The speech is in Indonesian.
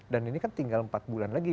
dan ini kan tinggal empat bulan lagi